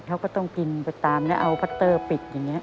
เขาก็ต้องกินไปตามแล้วเอาพัตเตอร์ปิดอย่างนี้